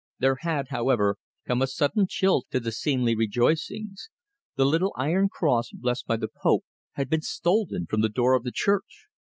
There had, however, come a sudden chill to the seemly rejoicings the little iron cross blessed by the Pope had been stolen from the door of the church!